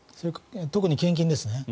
特に献金ですね。